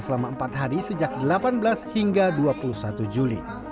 selama empat hari sejak delapan belas hingga dua puluh satu juli